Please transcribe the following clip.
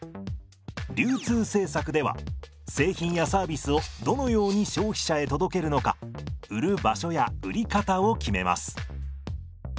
流通政策では製品やサービスをどのように消費者へ届けるのか売る場所や売り方を決めます。